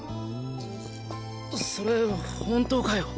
それ本当かよ？